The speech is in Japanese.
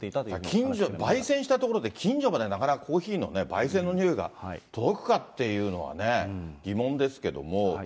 近所、焙煎したことで、近所までなかなかコーヒーのばいせんの匂いが届くかっていうのは疑問ですけども。